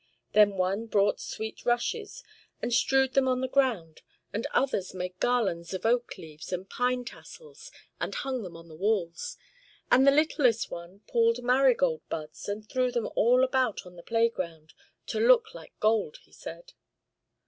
Then one brought sweet rushes and strewed them on the ground; and others made garlands of oak leaves and pine tassels and hung them on the walls; and the littlest one pulled marigold buds and threw them all about the playground, "to look like gold," he said.